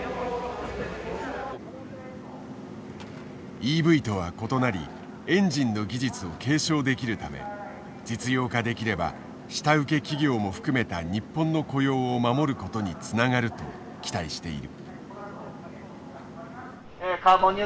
ＥＶとは異なりエンジンの技術を継承できるため実用化できれば下請け企業も含めた日本の雇用を守ることにつながると期待している。